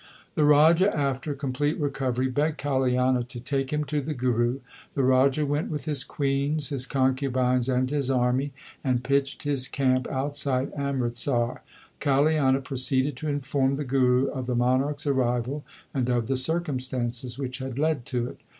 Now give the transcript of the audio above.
The Raja after complete recovery begged Kaliana to take him to the Guru. The Raja went with his queens, his concubines, and his army, and pitched his camp outside Amritsar. Kaliana proceeded to inform the Guru of the monarch s arrival, and of the circumstances which had led to it.